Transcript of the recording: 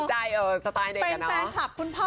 เป็นแฟนคลับคุณพ่อ